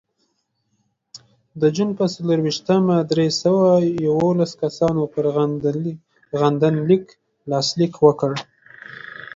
د جون په څلرویشتمه درې سوه یوولس کسانو پر غندنلیک لاسلیک وکړ.